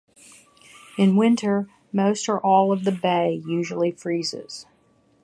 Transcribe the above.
In winter, most or all of the Bay usually freezes.